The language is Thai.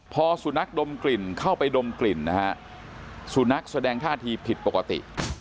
พอสุนัขดมกลิ่นเข้าไปดมกลิ่นนะฮะสุนัขแสดงท่าทีผิดปกติ